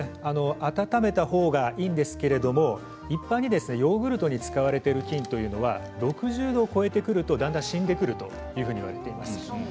温めた方がいいんですけれども一般にヨーグルトに使われている菌というのは６０度を超えてくると、だんだん死んでくるといわれています。